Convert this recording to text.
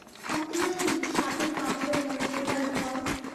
অথবা শুধু সাপের কামড়ে মরিতে তাঁর ভয়!